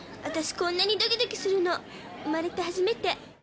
こんなにドキドキするの生まれて初めて。